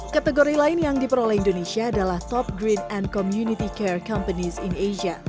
kategori lain yang diperoleh indonesia adalah top green and community care companies in asia